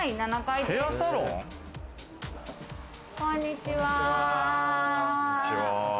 こんにちは。